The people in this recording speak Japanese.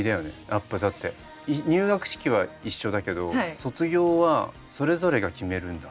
やっぱだって入学式は一緒だけど卒業はそれぞれが決めるんだ？